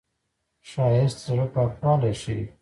ښایست د زړه پاکوالی ښيي